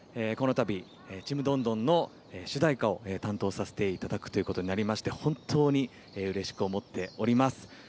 このたび、「ちむどんどん」の主題歌を担当させていただくということになりまして本当に、うれしく思っております。